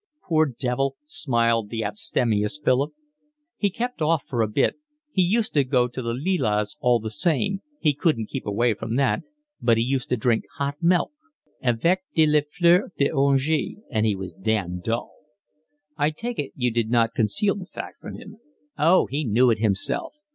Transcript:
"Poor devil," smiled the abstemious Philip. "He kept off for a bit. He used to go to the Lilas all the same, he couldn't keep away from that, but he used to drink hot milk, avec de la fleur d'oranger, and he was damned dull." "I take it you did not conceal the fact from him." "Oh, he knew it himself.